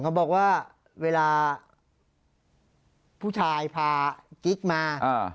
เขาบอกว่าเวลาผู้ชายพากิ๊กมา